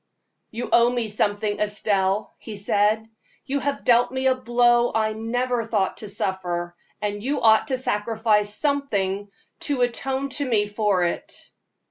"You owe me something, Estelle," he said. "You have dealt me a blow I never thought to suffer, and you ought to sacrifice something to atone to me for it."